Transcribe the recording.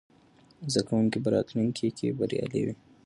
زده کوونکي به راتلونکې کې بریالي وي.